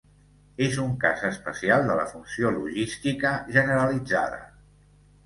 És un cas especial de la funció logística generalitzada.